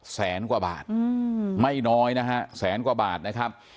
แสนกว่าบาทไม่น้อยนะฮะแสนกว่าบาทนะครับ